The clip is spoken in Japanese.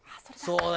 そう。